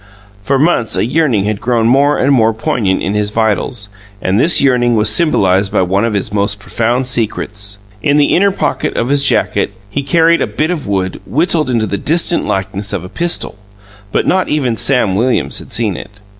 For months a yearning had grown more and more poignant in his vitals, and this yearning was symbolized by one of his most profound secrets. In the inner pocket of his jacket, he carried a bit of wood whittled into the distant likeness of a pistol, but not even Sam Williams had seen it.